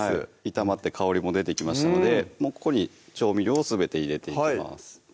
炒まって香りも出てきましたのでもうここに調味料をすべて入れていきます